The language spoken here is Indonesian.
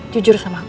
jujur sama aku